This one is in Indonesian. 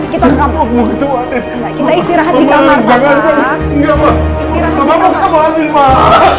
kita istirahat di kamar